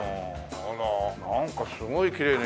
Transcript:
なんかすごいきれいね。